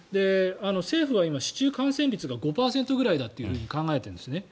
政府は今、市中感染率が５％くらいだと考えているんですね。